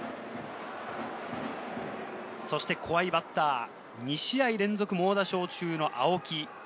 そして怖いバッター、２試合連続猛打賞中の青木。